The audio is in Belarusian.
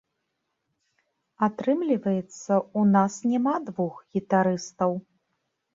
Атрымліваецца, у нас няма двух гітарыстаў.